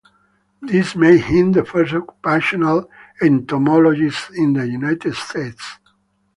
This made him the first occupational entomologist in the United States.